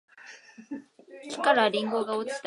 木からりんごが落ちた